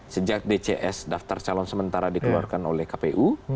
sejak dcs daftar calon sementara dikeluarkan oleh kpu